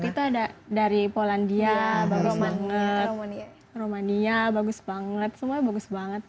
buat kita ada dari polandia romania bagus banget semuanya bagus banget